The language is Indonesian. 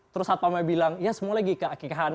terus satpamaya bilang ya semuanya gika